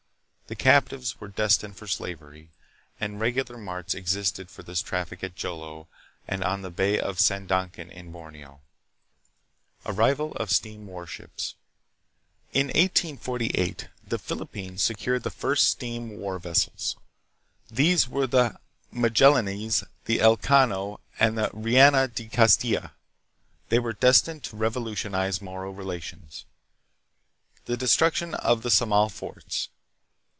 The captives were destined for slavery, and regular marts existed for this traffic at Jolo and on the Bay of Sandakan in Borneo. Arrival of Steam Warships. In 1848 the Philip pines secured the first steam war vessels. These were the " Magallanes," the " Elcano," and the " Reina de Castilla." They were destined to revolutionize Moro relations. The Destruction of the Samal Forts.